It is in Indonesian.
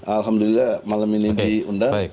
alhamdulillah malam ini diundang